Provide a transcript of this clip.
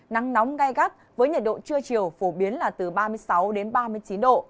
nắng nóng gai gắt với nhiệt độ trưa chiều phổ biến là từ ba mươi sáu đến ba mươi chín độ